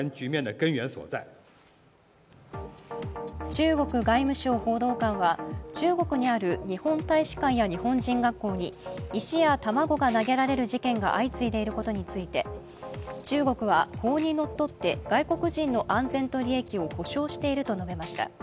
中国外務省報道官は中国にある日本大使館や日本人学校に石や卵が投げられる事件が相次いでいることについて、中国は法にのっとって外国人の安全と利益を保証していると述べました。